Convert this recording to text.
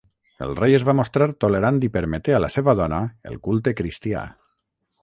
El rei es va mostrar tolerant i permeté a la seva dona el culte cristià.